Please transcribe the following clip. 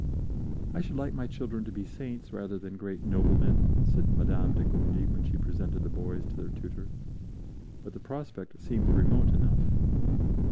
"I should like my children to be saints rather than great noblemen," said Madame de Gondi when she presented the boys to their tutor, but the prospect seemed remote enough.